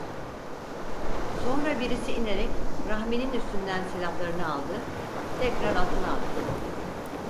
Sonra birisi inerek Rahmi'nin üstünden silahlarını aldı, tekrar atına atladı.